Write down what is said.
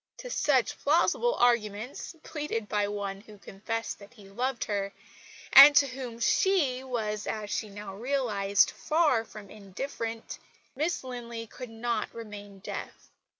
To such plausible arguments, pleaded by one who confessed that he loved her, and to whom she was (as she now realised) far from indifferent, Miss Linley could not remain deaf.